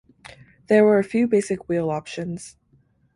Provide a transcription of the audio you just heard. There were a few basic wheel options.